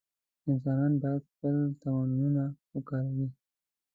انسانان باید خپل توانونه وکاروي.